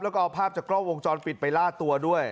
แล้วก็เอาภาพจากกล้องวงจรปิดไปล่าตัวด้วย